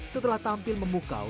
setelah tampil memukau